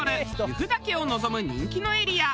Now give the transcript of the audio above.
由布岳を望む人気のエリア。